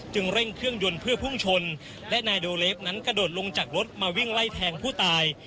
เร่งเครื่องยนต์เพื่อพุ่งชนและนายโดเลฟนั้นกระโดดลงจากรถมาวิ่งไล่แทงผู้ตาย